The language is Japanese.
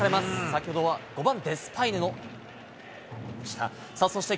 先ほどは５番デスパイネでした。